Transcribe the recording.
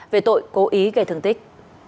về tội cố ý gây thương tích